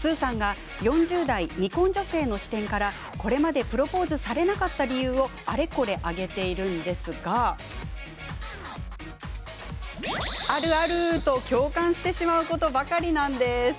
スーさんが４０代未婚女性の視点からこれまでプロポーズされなかった理由をあれこれ挙げているんですがあるあると共感してしまうことばかりなんです。